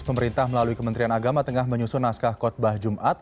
pemerintah melalui kementerian agama tengah menyusun naskah kotbah jumat